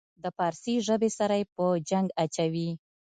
د پارسي ژبې سره یې په جنګ اچوي.